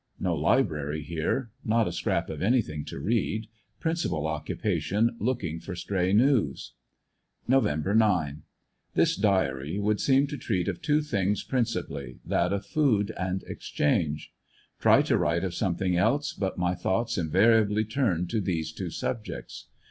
No library here. Not a scrap of anything to read; principal occu pation looking for stray news. Nov. 9. — This diary would seem to treat of two things principal ly, that of food and exchange. Try to write of something else, but my thoughts invariably turn to these two subjects.